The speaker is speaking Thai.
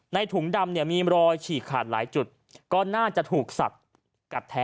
ถุงดำเนี่ยมีรอยฉีกขาดหลายจุดก็น่าจะถูกสัตว์กัดแท้